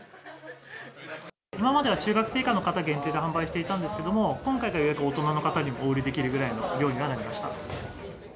今までは中学生以下の方限定で販売していたんですけども、今回からようやく、大人の方にもお売りできるぐらいの量にはなりました。